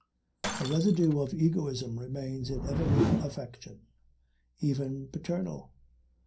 A residue of egoism remains in every affection even paternal.